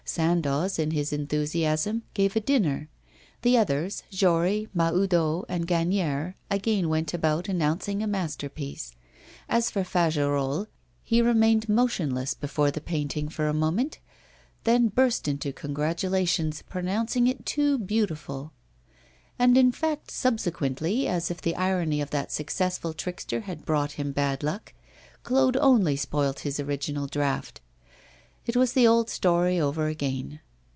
Sandoz, in his enthusiasm, gave a dinner; the others, Jory, Mahoudeau and Gagnière, again went about announcing a masterpiece. As for Fagerolles, he remained motionless before the painting for a moment, then burst into congratulations, pronouncing it too beautiful. And, in fact, subsequently, as if the irony of that successful trickster had brought him bad luck, Claude only spoilt his original draught. It was the old story over again.